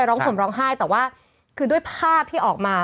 ร้องห่มร้องไห้แต่ว่าคือด้วยภาพที่ออกมา